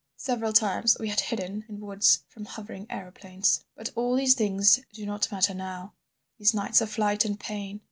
Several times we had hidden in woods from hovering aeroplanes. "But all these things do not matter now, these nights of flight and pain